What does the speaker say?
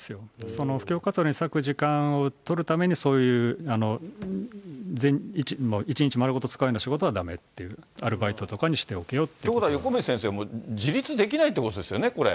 その布教活動に割く時間を取るために、一日丸ごと使うような仕事はだめっていう、アルバイトとかにしてということは、横道先生、自立できないということですよね、これ。